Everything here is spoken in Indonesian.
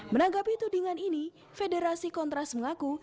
menanggapi tudingan ini federasi kontras mengaku